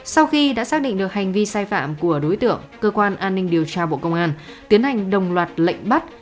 sau khi đã xác định được hành vi sai phạm của đối tượng cơ quan an ninh điều tra bộ công an tiến hành đồng loạt lệnh bắt